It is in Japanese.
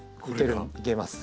いけます。